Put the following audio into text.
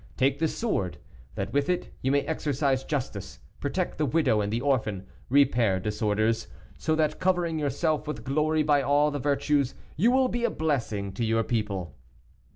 Take this sword that, with it, you may exercise justice, protect the widow and the orphan, repair disorders, so that, covering yourself with glory by all the virtues, you will be a blessing to your people."